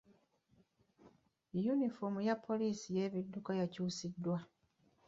Yunifoomu ya poliisi y'ebidduka yakyusiddwa.